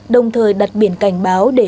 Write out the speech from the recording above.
đồng thời đặt biển cảnh báo để